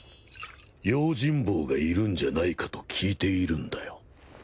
用心棒がいるんじゃないかと聞いているんだよ。